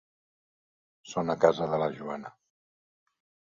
Són a casa de la Joana.